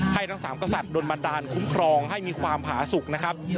ให้ทั้งสามกษัตริย์โดนบันดาลคุ้มครองให้มีความประสุทธิ์